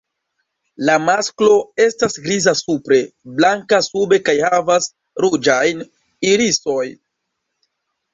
La masklo estas griza supre, blanka sube kaj havas ruĝajn irisojn.